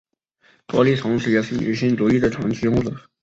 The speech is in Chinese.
多莉同时也是女性主义的长期拥护者。